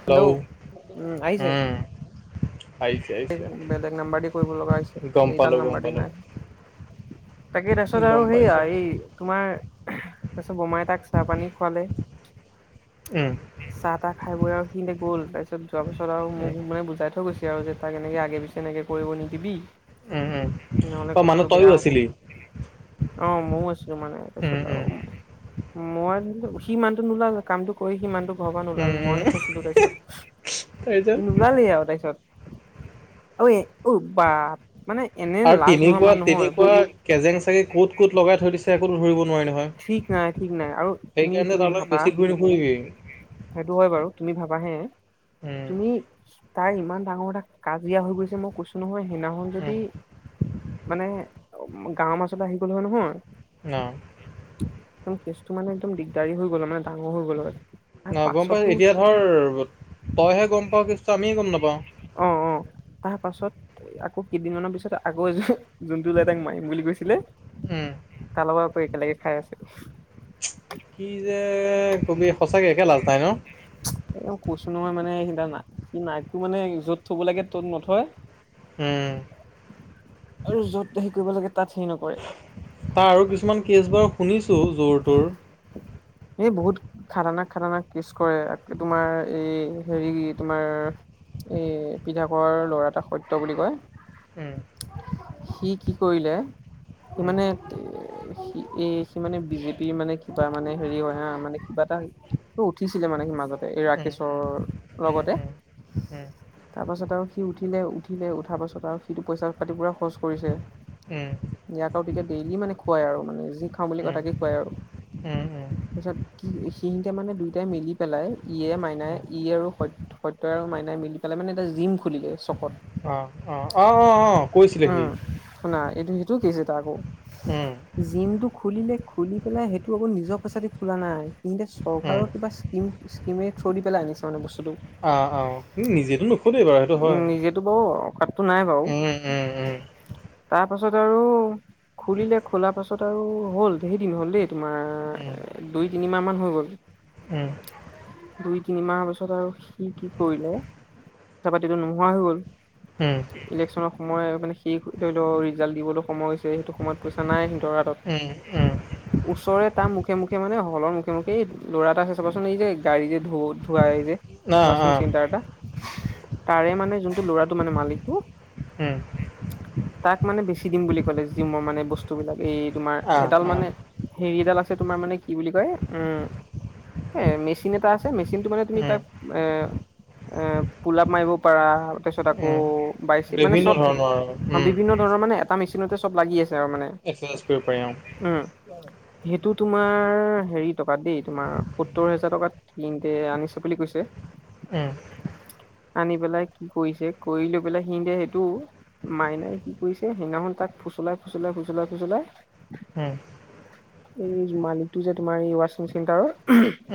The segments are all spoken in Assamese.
হেল্ল', উম আহিছে। আহিছে আহিছে বেলেগ নাম্বাৰ দি কৰিব লগা হৈছে, গম এইডাল পালো গম নাম্বৰ দি পালো নাই। তাকে, তাৰপিছত আৰু গম সেইয়া পাইছো এই তোমাৰ তাৰপিছত বোমাই তাক চাহ-পানী খোৱালে। উম চাহ-তাহ খাই বৈ আৰু সি গ'ল, তাৰপিছত যোৱাৰ পিছত আৰু মোক উম মানে বুজাই থৈ গৈছিল। আৰু যে তাক এনেকে আগে পিছে এনেকে কৰিব নিদিবি। হম, হম, নহ'লে অ মানে কথাটো তইও বেয়া হ'ব আছিলি? অ, মই আছিলছিলো মানে, উম তাৰপিছত আৰু উম মই সি সি মানু্হটো নোলাল, কামটো কৰি সি মানুহটো ঘৰ উম নোলাল, উম মইহে ফছিলো তাৰপিছত। তাৰপিছত সি নোলালে আৰু তাৰপিছত, অই অও বা মানে এনে আৰু লাজ নোহোৱা তেনেকুৱা, মানুহ নহয় ভাই তেনেকুৱা কেজেং চাগে ক'ত ক'ত লগাই থৈ দিছে। একো ধৰিব নোৱাৰি নহয় ঠিক নাই, ঠিক নাই আৰু তুমি, সেইকাৰণে তুমি তাৰ লগত ভাবা বেছি ঘূৰি নুফুৰিবি সেইটো হয় বাৰু তুমি ভাবাহে, উম তুমি তাই ইমান ডাঙৰ এটা কাজিয়া হৈ গৈছে, মই কৈছো নহয় সেইদিখন উম যদি মানে গাঁৱৰ মাছলে আহি গ'ল হয় নহয়। অ। ত মানে একদম দিগদাৰী হৈ গল ডাঙৰ হৈ গ'ল হয়। তাৰ ন গম পাই, পাছতো এতিয়া ধৰ তইহে গম পাও কেছটো, আমিয়ে গম নাপাওঁ। অ অ তাৰ পাছত, আকৌ কেইদিনমানৰ পিছত আগৌ এ যোনটো ল'ৰাই তাক মাৰিম বুলি কৈছিলে, উম তাৰ লগত আকৌ একেলগে খাই আছে। কি যে কবি সঁচাকে একে লাজ নাই ন? এ কৈছো নহয় মানে সি না নাইটটো মানে য'ত থব লাগে ত'ত নথয়। উম আৰু যত হেৰি কৰিব লাগে তাত হেৰি নকৰে তাৰ আৰু কিছুমান কেছ বাৰু শুনিছো, জোৰ-তৰ। [inaudible] এই বহুত খাতাৰনাক-খাতাৰনাক কেছ কৰে, তোমাৰ এই হেৰি তোমাৰ এ পিঠাকৰ ল'ৰা এটা সত্য বুলি কয়। হম। সি কি কৰিলে সি উম, মানে এ সি মানে বিজেপিৰ মানে কিবা মানে হেৰি হয় হা, মানে কিবা এটা উঠিছিলে মানে সি মাজত। উম, উম, ৰাকেশৰ উম, লগতে। [inaudible] তাৰ পাছত আৰু সি উঠিলে-উঠিলে, উঠাৰ পাছত আৰু সিটো পইচা পাতি পুৰা খৰচ কৰিছে। উম। এতিয়া ডেইলি মানে খুৱাই আৰু মানে, যি খাওঁ বুলি কয় উম, তাকে খুৱাই আৰু। উম, উম, তাৰপিছত কি সিহতে মানে দুইটাই মিলি পেলাই ই এ মাইনাই, উম। ই আৰু সত সত্য আৰু মাইনাই মিলি পেলাই মানে এটা জিম খুলিলে চকত। অ, অ, অ, অ, অ। কৈছিলে সি। উম, শুনা এইটো সেইটোও কেছ এটা আকৌ, উম, জিমটো খুলিলে খুলি পেলাই সেইটো আকৌ নিজৰ পইচা দি খোলা নাই, কিন্তে উম। চৰকাৰৰ কিবা স্কীম কিমে থ্ৰুদি পেলাই আনিছে মানে বচ আহ, আহ, সি নিজেতো নুখুলে বাৰু সেইটো উম হয়, নিজেতো বাৰু অকাতটো নাই উম, উ উম, উম তাৰপাছত আৰু খুলিলে খোলা পাছত আৰু হ'ল, [unintelligible] দিন হ'ল দেই। উম, তোমাৰ দুই তিনিমাহমান হৈ গ'ল। উম। তিনিমাহৰ পিছত আৰু সি কি কৰিলে, পইচা-পাতিতো নোহোৱা হৈ গ'ল। ইলেকচনৰ সময় মানে সি ধৰি লও ৰিজাল্ট দিবলৈ সময় হৈছ সেইটো সময়ত পইচা নাই সিহঁতৰ হাতত ওচৰে তাৰ মুখে মুখে মানে হলন মোক এই ল'ৰা এটা ছে চাবাচোন এই যে গাড়ী যে ধ-ধোৱাই যে, অ', ৱাশ্বিং অ', চেণ্টাৰ এটা তাৰে মানে যোনটো ল'ৰাটো মানে মালিকটো উম, তাক মানে বেছি দিম বুলি ক'লে যি মোৰ মানে বস্তুবিলাক এই তোমাৰ অ', এডাল অ', মানে হেৰি এডাল আছে তোমাৰ মানে কি বুলি কয় উম এ মেচিন এটা আছে মেচিনটো মানে তুমি উম, তাক এ এ পোলাপ মাৰিব পাৰা তাৰপিছত আকৌ উম। বাইচি মানে বিভিন্ন চব ধৰণৰ আৰু অ উম, বিভিন্ন ধৰণৰ মানে এটা মেচিনতে চব লাগি আছ মানে এক্সাৰচাইজ কৰিব পাৰি অ'। উম এইটো তোমাৰ হেৰি টকাত দেই তোমাৰ সত্তৰ হেজাৰ টকাত কিন্তে আনিছে বুলি কৈছে। উম আনি পেলাই কি কৰিছে কৰি লৈ পেলাই সি দে সেইটো মাইনাই কি কৰিছে সেইদিনাখন তাক ফুচলাই ফুচলাই ফুচলাই ফুচলাই উম, এই মালিকটো যে তোমাৰ এই ৱাচিং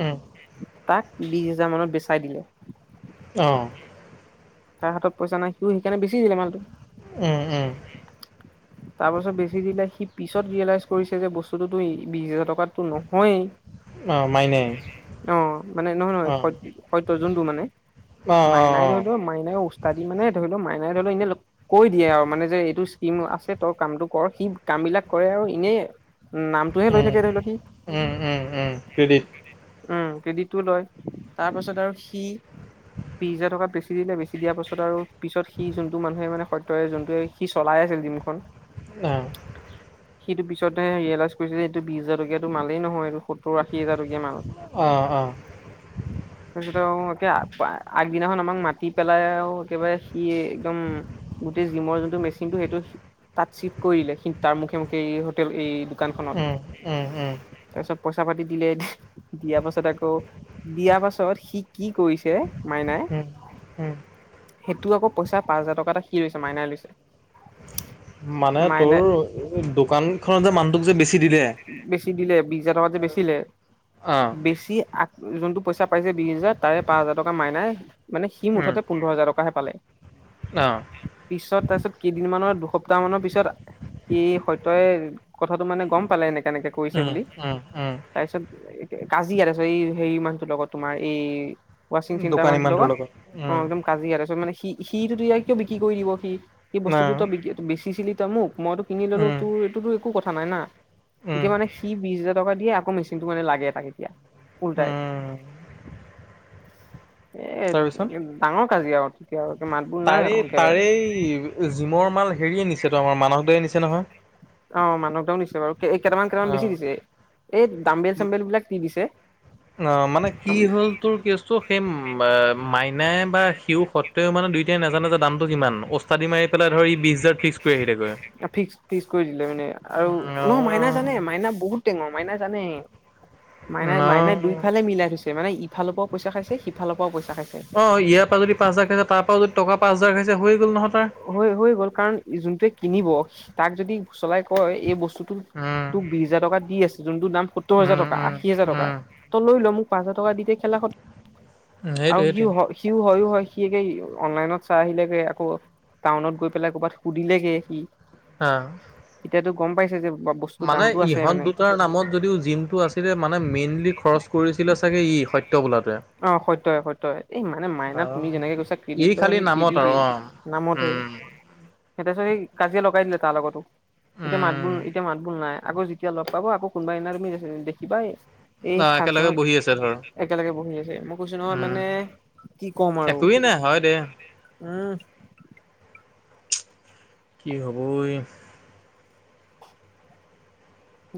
উম। তাক বিশ হেজাৰ মানত বেচাই দিলে। অহঁ তাৰ হাতত পইচা নাই সিও সেইকাৰণে বেছি দিলে মালটো। উম উম তাৰপিছত বেছি দিলে সি পিছত ৰিয়েলাইজ কৰিছে যে বস্তুটো ত বিশ হাজাৰ টকা টকাততো নহয়েই অ' মানে নহয় নহয় সত -সত্য যোনটো মানে মাইনাই ধৰিলো মাই উস্তাদি মানে ধৰি লও মাইনাই ধৰি ল এনে কৈ দিয়ে আৰু মানে যে এইটো স্কিম আছে তই কামটো কৰ সি কাম বিলাক কৰে আৰু ইনেই উম নামটোহে লৈ থাকে ধৰি ল সি উম কেডিটো লয় তাৰ পাছত আৰু সি বিশ হাজাৰ টকা বেছি দিলে বেছি দিয়াৰ পাছত আৰু পিছত সি যোনটো মানুহে মানে সত্যয়ে যোনটোৱে সি চলাই আছিল জিমখন অ' সিটো পিছতহে ৰিয়েলাইজ কৰিছে যে এইটো বিশ হাজাৰ টকীয়াতো মালেই নহয় এইটো সত্তৰ আশী হাজাৰ টকীয়া মাল তাৰপিছত আৰু আগদিনাখন আমাক মাতি পেলাই আৰু একেবাৰে সি একদম গোটেই জিমৰ যোনটো মেচিনটো সেইটো তাত চিফ্ট কৰিলে কিন্তু তাৰ মুখে মুখে এই হোটেল এই দোকানখনত উম উম উমউম তাৰপিছত পইচা পাতি দিলে, দিয়া পাছত আকৌ দিয়াৰ পাছত সি কি কৰিছে মাইনাই হম হম সেইটো আকৌ পইচা পাঁচ হাজাৰ টকা এটা সি লৈছে মাইনাই লৈছে মানে তোৰ মাইনাই দোকান খন যে মানুহটোক যে বেছি দিলে বেচি দিলে বিশ হাজাৰ টকা যে বেচিলে আহ বেচি আ যোনটো পইচা পাইছে বিশ হাজাৰ তাৰে পাঁচ হাজাৰ টকা মাইনাই মানে সি উম মুঠতে পোন্ধৰ হাজাৰ টকাহে পালে আহ পিছত তাৰপিছত কেইদিনমানৰ সপ্তাহ মানৰ পিছত সি সত্যই কথাটো মানে গম পালে এনেকে তেনেকে কৰিছে উম বুলি উম উম তাৰপিছত। কাজিয়া তাৰপিছত এই হেৰি মানুহটোৰ লগত তোমাৰ এই ৱাচিং চিন্তা দোকানী মানটোৰ মানুহটোৰ লগত, অ, উম একদম কাজিয়া, তাৰপিছত মানে সি সিটো, ততিয়া কিয় বিক্ৰী কৰি দিব, সি, সি বস্তুটো আহ তইক বেচিছিলি, তই মোক মইতো কিনি ললো, উম তোৰ এইটোতো একো কথা নাই, না, উম এতিয়া মানে সি বিশ হাজাৰ টকা দিয়ে, আকৌ মেচিনটো মানে, লাগে তাক এতিয়া। উল্টাই উমম। এ [unintelligible] ডাঙৰ কাজিযা আও, তেতিয়া আৰু মাত বোত তাৰে, তাৰেই জিমৰ, মাল হেৰিয়ে নিছে ত, আমাৰ মানস দাই নিছে নহয়। অ, মানস দা দিছে, বাৰু কেইটামান, কেইটামান বেছি দিছে, অ এই দাম্বেল চামবেলবিলাক টি দিছে? অ, মানে কি হল, তোৰ কেচটো সেইম বা মাইন নাই বা সিও, সত্ৰেও মানে দুইটাই নাজানে যে, দামটো কিমান, ওস্তাদি মাৰি পেলাই ধৰ ই, বিছ হাজাৰ ফিক্স কৰি আহিলেগৈ। অ', ফিক্স, ফিক্স কৰি দিলে, মানে আৰু নহয় মাইনা জানে, মাইনা বহুত টেঙৰ, মাইনা জানে মাইনা, মাইনাৰ অ', দুইফালে মিলাই, থৈছে মানে ইফালৰ পাও অ, ইয়াৰ পৰা যদি পাঁচ হাজাৰ খাইছে, তাৰ পৰা যদি টকা পাঁচ হাজাৰ খাইছে, হৈ গ'ল নহয় তাৰ। হৈ হৈ, গ'ল কাৰণ যোনটোৱে কিনিব, তাক যদি চলাই কয়, এই বস্তুটো উম, তোক বিছ হাজাৰ টকা দি আছে, যোনটোৰ দাম সতুৰ হাজাৰ উম, টকা, উম, আশী হাজাৰ টকা উম, তই লৈ ল, মোক পাঁচ হাজৰ টকা দিয়ে, খেলা খত আৰু সেইটোৱে সেইটোৱে সিও, সিও হয়ো হয়। সি একে অনলাইনত চাই আহিলেগে, আকৌ টাউনত গৈ পেলাই, ক'ৰবাত সুধিলেগে সি হা। তেতিয়াতো গম পাইছে যে বস্তুৰ মানে দামটো আছে ইহঁত মানে দুটাৰ নামত যদিও জিনটো আছিলে, মানে মেইনলি খৰচ কৰিছিলে চাগে ই সত্য বোলাটোৱে। অ সত্য, সত্য, এই মানে মাইনা তুমি অ', যেনেকে কৈছা ই ক্ৰেডিট লয়, খালি সি নামত আৰু ক্ৰেডিটেই অ', নামতহে। উম, সিহঁতে চাগে, কাজিয়া লগাই দিলে, তাৰ লগতো। এতিয়া মাত বোল, উম। এতিয়া মাত বোল নাই, আকৌ যেতিয়া লগ পাব আকৌ কোনবাই ইনাৰমি তুমি দেখিবাই এই অ একেলগে ফাংচনত বহি আছে ধৰ একেলগে বহি আছে। মই কৈছো নহয়, উম মানে কি কম আৰু একোৱেই নাই হয় দে উম। কি হ'বই?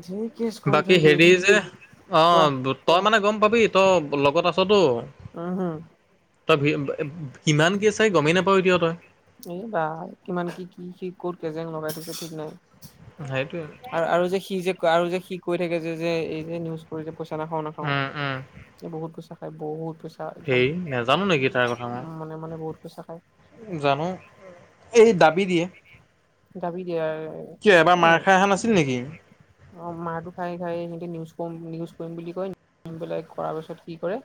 ধেৰ কেচ কৰি বাকী থৈ হেৰি দিয়েহি যে, অ, কোৱা তই মানে গম পাবি, তই লগত আছটো উম হম তই কিমান কি চাই, গমেই নাপাৱ এতিয়া তই এই বা কিমান কি, কি, কি কত কেজেং লগাই থৈছে, ঠিক নাই। সেইটোৱে আৰু, আৰু যে সি যে, আৰু যে, সি কৈ থাকে যে, যে এই যে, নিউজ কৰি যে খানা খাও, নাখাও, উম উম এই বহুত পইচা খাই বহুত। পইচা একদম হেই নাজানো নেকি তাৰ কথা মই মানে, মানে বহুত পইচা খায়। জানো এই দাবী দিয়ে। দাবি দিয়ে। কিয় এবাৰ এ মাৰ খাই, অহা নাআছিল নেকি। ফ, নিউজ পাৰিম বুলি কৈ, কৰা পিছত কি কৰে,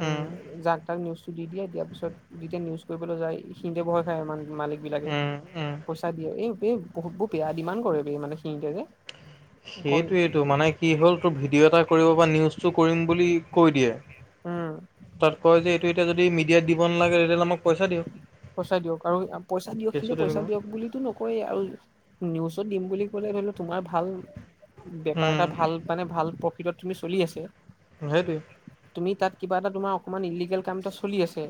উম, যাক, যাক নিউজ দি দিয়ে, দিয়াৰ পিছত যেতিয়া, নিউজ কৰিবলৈ যায় সিতে ভই খায়, মানে মালিক বিলাকে উম উম পইচা দিয়ে, এই, এই বহুত ব বেয়া ডিমাড কৰে, মানে সিহিতে যে সেইটোৱেইটো মানে কি হ'ল, তোৰ ভিডিঅ' এটা কৰিব, বা নিউজটো কৰিম বুলি কৈ দিয়ে। উম। তাত কয় যে, এইটো এতিয়া যদি মিডিয়াত দিব নালাগে, তেতিয়াহ'লে আমাক পইচা দিয়ক। পইচা দিয়ক আৰু পইচা দিয়ক, কেচটো সিন্তে পইচা তেনেকুৱা দিয়ক বুলি নকয়েই, আৰু নিউজত দিম বুলি ক'লে, ধৰি লও তোমাৰ ভাল বেপাৰ এটা, উম, ভাল, মানে ভাল পত প্ৰফিট, তুমি চলি আছে। সেতু এ, তুমি তাত কিবা এটা তোমাৰ অকমান ইলিগেল কাম এটা চলি আছে,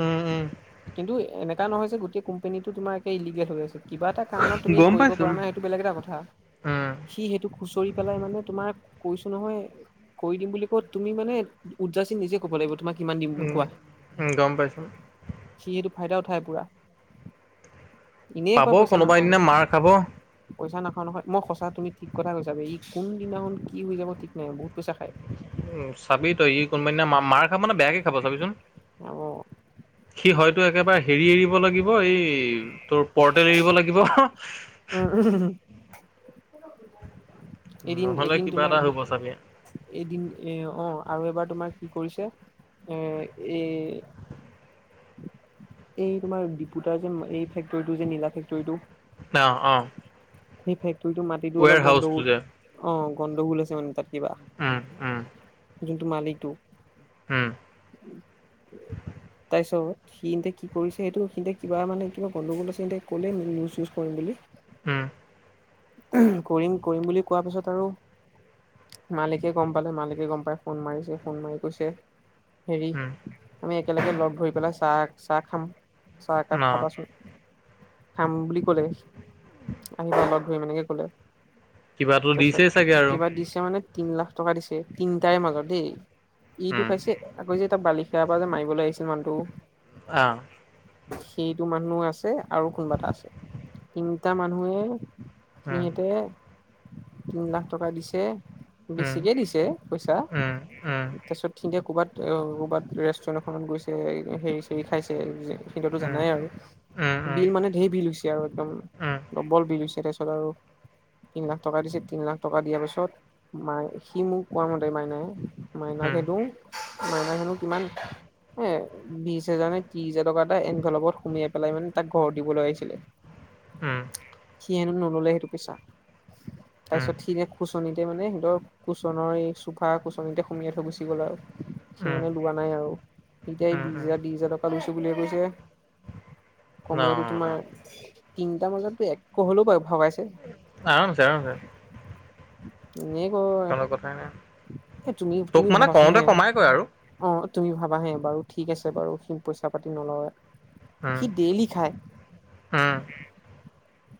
উম, উম। কিন্তু এনেকা নহয় যে গোটে, কোম্পেনীটো তোমাৰ একে ইলিগেল হৈ আছে, কিবা এটা কাৰণত, তুমি গম কৰিব পাইছো পৰা উম। নাই, সেইটো বেলেগ এটা কথা। উম, সি, সেইটোক খুচৰি পেলাই মানে তোমাৰ কৈছো নহয় কৰি দিম বুলি ক তুমি মানে উদজাচি নিজে ক'ব লাগিব তোমাক কিমান দিম বুলি উম, কোৱা উম, গম পাইছো। সি সেইটো ফাইদা উঠাই পুৰা এনেই পাব কয় পইচা নাপাওঁ কোনোবাদিনা মাৰ খাব পইচা নাখাও নাখাও মই সচাঁ তুমি ঠিক কথা কৈছা ই কোনদিনাখন কি হৈ যাব ঠিক নাই বহুত পইচা খায়। উম চাবি তই ই কোনোবাদিনা মা মাৰ খাব মানে বেয়াকে খাব চাবিচোন অ' সি হয়তো একেবাৰে হেৰি এৰিব লাগিব অ' এই তোৰ পৰ্টেল এৰিব লাগিব। ক [inaudible] নহ'লে এদিন-এদিন কিবা এটা তোমাৰ, হ'ব চাবি এদিন এ অ' আৰু এবাৰ তোমাৰ কি কৰিছে এ এই এই তোমাৰ ডিপুদাৰ যে এই ফেক্টৰীটো যে নীলা ফেক্টৰীটো অ' অ' সেই ফেক্টৰীটো মাটিতো ৱেৰ অলপ হাউচটো গণ্ডগোল, যে অ' গণ্ডগোল আছে মানে তাত। কিবা উম, উম, যোনটো মালিকটো উম' [inaudible] ছত সি এতিয়া কি কৰিছে সেইটো সি কিবা মানে কিবা গণ্ডগোল আছে এ ক'লে নিউচ চিউজ কৰিম বুলি। উম' কৰিম-কৰিম বুলি কোৱা পাছত আৰু মালিকে গম পালে, মালিকে গম পাই ফোন মাৰিছে, ফোন মাৰি কৈছে হেৰি উম। আমি একেলগে লগ ধৰি পেলাই চাহ চাহ খাম। চাহ একাপ অ', খাবাচোন, খাম বুলি ক'লে আহিব অলপ সি এনেকে ক'লে কিবাতো দিছেই চাগে তাৰপিছত আৰু কিবা দিছে মানে তিনি লাখ টকা দিছে, তিনিটাৰে মাজত দেই, এইটো উম, খাইছে আকৌ যে তাত বালিশা পৰা যে মাৰিবলৈ আহিছিল মানুহটো। অঁ। সেইটো মানুহ আছে আৰু কোনবা এটা আছে তিনিটা মানুহে। উম, সিহঁতে তিনি লাখ টকা দিছে। উম, বেছিকে দিছে পইচা উম, উম, তাৰপিছত ক'ৰবাত ক'ৰবাত ৰেষ্টুৰেণ্টখনত গৈছে হেৰি চেৰি খাইছে। সেইটোতো উম। জানাই আৰু বিল মানে ধেৰ বিল হৈছে আৰু একদম ডবল বিল হৈছে। তেৰাছল আৰু তিন লাখ টকা দিছে তিন লাখ টকা দিয়াৰ পিছত মাই সি মোক কোৱা মতে মাইনাই। মাইনা খেনো মাইনা হেনো কিমান এ বিশ হাজাৰ নে ত্ৰিশ হাজাৰ টকা এটা এনভেলভত সোমিয়াই পেলাই মানে তাক ঘৰ দিবলৈ আহিছিলে। সি হেনো নললে সেইটো পিছা তাৰপিছত সি যে খোজ কুচনিতে মানে সিঁৰ কুচনৰ এই চোফা কুচননিতে সুমিয়াই থৈ গুচি গ'ল আৰু। সিমানে লোৱা নাই আৰু এতিয়া বিশ হাজাৰ বিশ হাজাৰ টকা লৈছো বুলিয়ে কৈছে। অ, কমেওতো তোমাৰ তিনটা বজাতো এক হ'লেও বাৰু ভাবাইছ আৰামচে আৰামচে। [inaudible] এনে ক নাই। এ তুমি তোক তুমি মানে ভাবাচোন কওঁতে হে কমাই কয় আৰু। অঁ। তুমি ভাবাহে বাৰু ঠিক আছে বাৰু সি পইচা পাতি নলয়ে। উম, সি ডেইলি খায়। উম,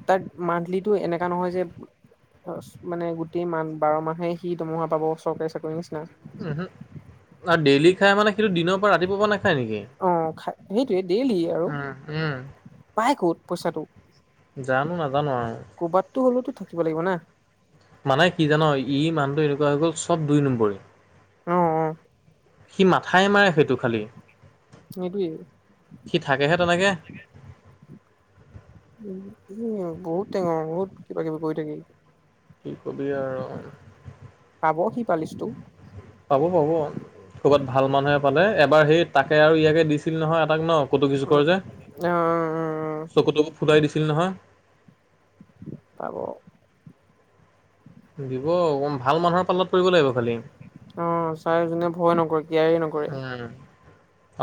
তাত মানটলিটো এনেকা নহয় যে। অ মানে গোটেই মাহ বাৰ মাহে সি দৰমুহা পাব চৰকাৰী চাকৰি নিচিনা। আৰু ডেইলি খাই মানে সেইটো দিনৰ পৰা ৰাতিপুৱা নাখায় নেকি? সেইটোৱে দেইলি আৰু উম, উম। পাই ক'ত পইচাটো জানো নাজানো আও টো হ'লেতো থাকিব লাগিব না মানে কি জান ই মানুহটো এনেকুৱা হৈ গ'ল চব দুই নম্বৰে অ অ সি মাথাই মাৰে সেইটো খালি সেইটোয়ে সি থাকেহে তেনেকে উ উ বহুত টঙৰ বহুত কিবা কিবি কৰি থাকি কি কবি আৰু পাব সি পালিচটো পাব পাব কবাত ভাল মানুহে পালে এবাৰ সেই তাকে আৰু ইয়াকে দিছ ন কটকী আহ চুকৰ' যে চকু তকু ফুলাই দিছিল নহয় পাব দিব অকণ ভাল মানুহে পালে অহ চাই যোনে ভয়ে নকৰে কিয়াৰে উম নকৰে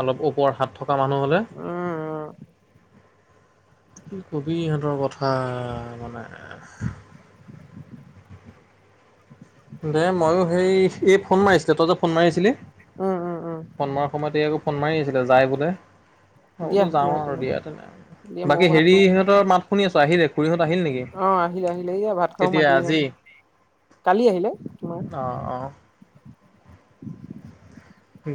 অলপ ওপৰত হাত থকা মানুহ হ'লে উম কথাৰ মানে [unintelligible] [unintelligible] দে ময়ো সেই এই ফোন মাৰিছিলে তই যে ফোন মাৰিছিলি উম উম উম ফোন মৰাৰ সময়ত এই আকৌ ফোন মাৰি আছিলে যাই বোলে সবতো যাও আৰু দিয়া তেনে দিয়া বাকী ময়ো হেৰি ভাতটো সিহঁতৰ মাত শুনি আছো আহিলে খুৰীহঁত আহিল নিকি অ আহিলে আহিলে এয়া ভাত খাব কেতিয়া মাতি আছে আজি মোক কালি আহিলে অ তোমাৰ অ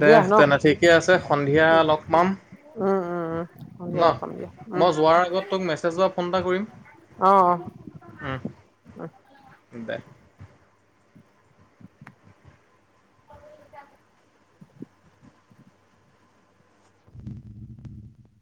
দে দিয়া ন তেনে ঠিকে আছে সন্ধিয়া উম লগ পাম উম উম উম ন সন্ধিয়া লগ পাম দিয়া উম মই যোৱাৰ আগত তোক মেছেজত ফোন এটা কৰিম অ অ উম উম দে [inaudible]